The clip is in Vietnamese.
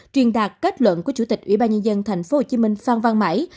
truyền đạt kết luận của chủ tịch ubnd tp hcm phan văn mãi